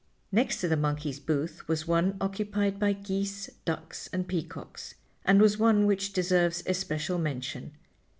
Next to the monkeys' booth was one occupied by geese, ducks and peacocks, and was one which deserves especial mention.